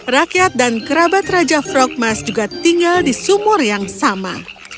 rakyat dan kerabat raja frogmas juga tinggal di sumur yang sama